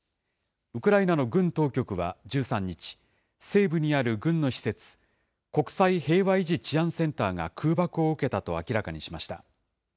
ウクライナの軍当局は１３日、西部にある軍の施設、国際平和維持治安センターが空爆を受けたと明らかにしました。